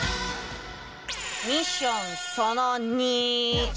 ミッションその２